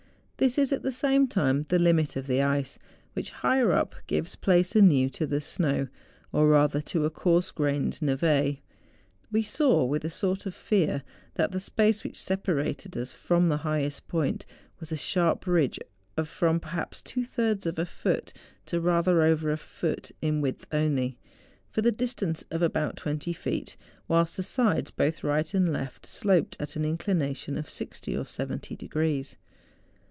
This is at the same time the limit of the ice, which, higher up, gives place anew to the snow, or rather to a coarse¬ grained nevL We saw, with a sort of fear, that the space which separated us from the highest point was a sharp ridge of from, perhaps, two thirds of a foot to rather over a foot in width only, for the distance of about twenty feet; whilst the sides, both right and left, sloped at an inclination of 60 or 70 degrees.